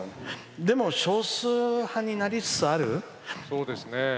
でも少数派になりつつある。